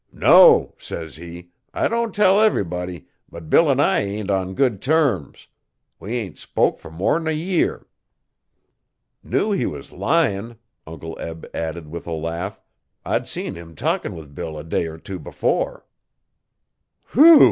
"No," says he, "I don' tell ev'ry body, but Bill an' I ain't on good terms. We ain't spoke fer more'n a year." 'Knew he was lyin',' Uncle Eb added with a laugh, 'I'd seen him talkin' with Bill a day er two before. 'Whew!'